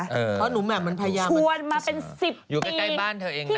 เพราะหนูแหม่มมันพยายามชวนมาเป็น๑๐อยู่ใกล้บ้านเธอเองเลย